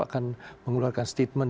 akan mengeluarkan statement